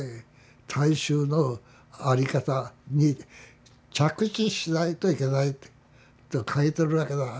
大衆の在り方に着地しないといけないって書いとるわけだ。